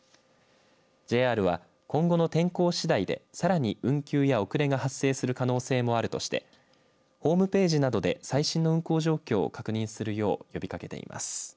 ＪＲは今後の天候しだいでさらに運休や遅れが発生する可能性もあるとしてホームページなどで最新の運行状況を確認するよう呼びかけています。